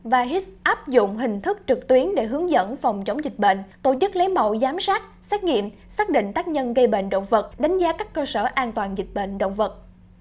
pahis áp dụng hình thức trực tuyến để hướng dẫn phòng chống dịch bệnh tổ chức lấy mẫu giám sát xét nghiệm xác định tác nhân gây bệnh động vật đánh giá các cơ sở an toàn dịch bệnh động vật